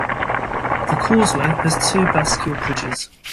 The causeway has two bascule bridges.